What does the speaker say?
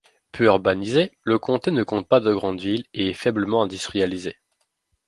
Peu urbanisé, le comté ne compte pas de grande ville et est faiblement industrialisé.